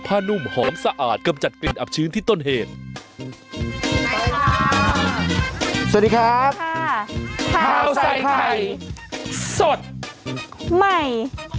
พาวใส่ไข่สดใหม่